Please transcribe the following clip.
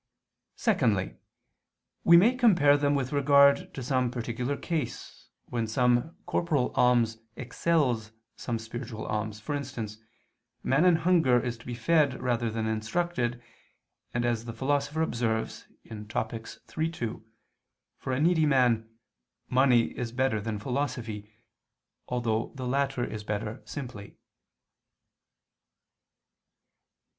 Secondly, we may compare them with regard to some particular case, when some corporal alms excels some spiritual alms: for instance, a man in hunger is to be fed rather than instructed, and as the Philosopher observes (Topic. iii, 2), for a needy man "money is better than philosophy," although the latter is better simply.